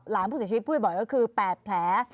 ผู้เสียชีวิตพูดบ่อยก็คือ๘แผล